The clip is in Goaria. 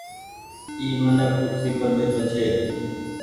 اي منک ڪرسي پر ٻيٺو ڇي۔